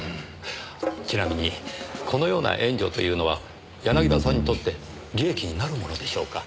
ちなみにこのような援助というのは柳田さんにとって利益になるものでしょうか？